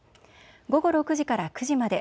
午後６時から９時まで。